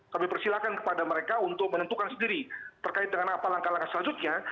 kami persilahkan kepada mereka untuk menentukan sendiri terkait dengan apa langkah langkah selanjutnya